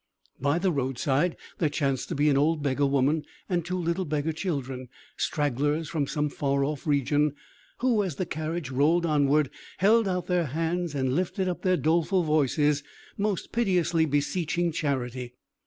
By the roadside there chanced to be an old beggar woman and two little beggar children, stragglers from some far off region, who, as the carriage rolled onward, held out their hands and lifted up their doleful voices, most piteously beseeching charity.